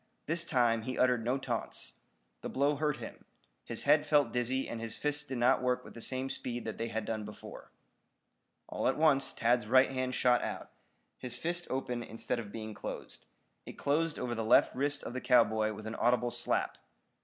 This time he uttered no taunts. The blow hurt him. His head felt dizzy and his fists did not work with the same speed that they had done before. All at once Tad's right hand shot out, his fist open instead of being closed. It closed over the left wrist of the cowboy with an audible slap.